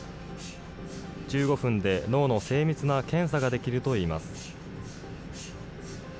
１５分で脳の精密な検査ができるといいます。